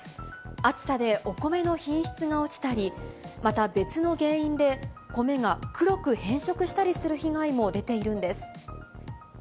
暑さでお米の品質が落ちたり、また別の原因で米が黒く変色したりする被害も出ているんです。